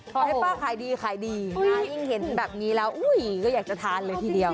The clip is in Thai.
ให้ป้าขายดีขายดีนะยิ่งเห็นแบบนี้แล้วอุ้ยก็อยากจะทานเลยทีเดียว